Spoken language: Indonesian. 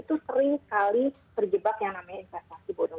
itu sering sekali terjebak yang namanya investasi bodong